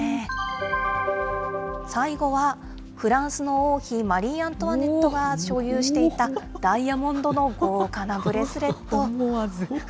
最後は、フランスの王妃、マリー・アントワネットが所有していた、ダイヤモンドの豪華なブレ思わず。